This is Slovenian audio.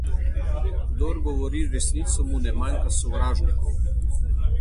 Kdor govori resnico, mu ne manjka sovražnikov.